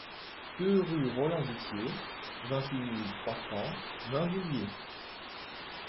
deux rue Roland Buthier, vingt-huit mille trois cents Mainvilliers